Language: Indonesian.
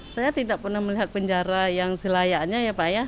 saya tidak pernah melihat penjara yang selayaknya ya pak ya